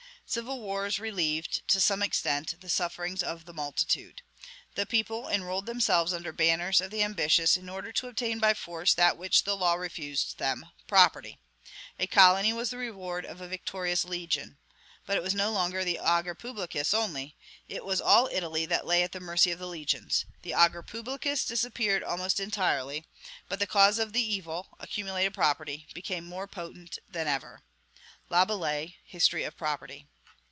Civil wars relieved, to some extent, the sufferings of the multitude. "The people enrolled themselves under the banners of the ambitious, in order to obtain by force that which the law refused them, property. A colony was the reward of a victorious legion. But it was no longer the ager publicus only; it was all Italy that lay at the mercy of the legions. The ager publicus disappeared almost entirely,... but the cause of the evil accumulated property became more potent than ever." (Laboulaye: History of Property.)